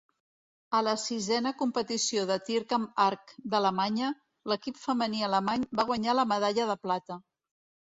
A la sisena competició de tir amb arc d'Alemanya, l'equip femení alemany va guanyar la medalla de plata.